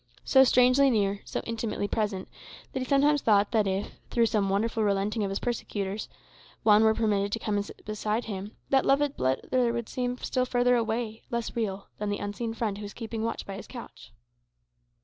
So strangely near, so intimately present, that he sometimes thought that if, through some wonderful relenting of his persecutors, Juan were permitted to come and stand beside him, that loved brother would still seem further away, less real, than the unseen Friend who was keeping watch by his couch.